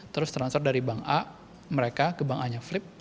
terus transfer dari bank a mereka ke bank a nya flip